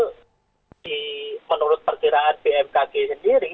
jadi menurut perkiraan pmkg sendiri